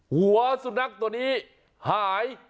หัวสุนัขตัวนี้หาย